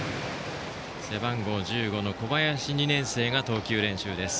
背番号１５の小林、２年生が投球練習です。